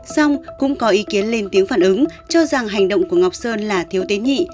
xong cũng có ý kiến lên tiếng phản ứng cho rằng hành động của ngọc sơn là thiếu tế nhị